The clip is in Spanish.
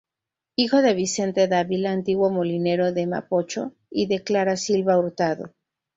Hijo de Vicente Dávila, antiguo molinero de Mapocho, y de Clara Silva Hurtado.